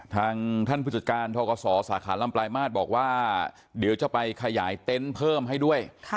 ทางท่านผู้จัดการทกศสาขาลำปลายมาตรบอกว่าเดี๋ยวจะไปขยายเต็นต์เพิ่มให้ด้วย